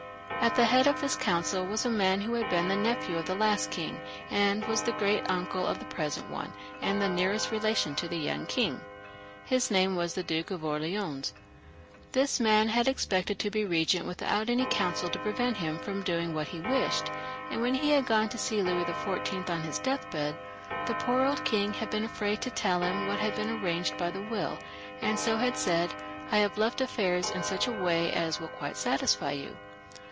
At the head of this council was a man who had been the nephew of the last king, and was the great uncle of the present one, and the \ nearest relation of the yoimg king. His name was the \ Duke of Orleans. This man had expected to be Eegent with out any coimcil to prevent him from doing what he wished, and when he had gone to see Louis XIV. on his deathbed, the poor old king had been afraid to tell him what had been arranged by the will, and so had said, " I have left ■■<■«■ XLVi.] LOUIS XV. 363 affairs in such a way as will quite satisfy you."